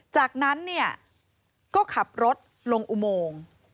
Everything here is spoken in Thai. จากนั้นเนี่ยก็ขับรถลงอุโมง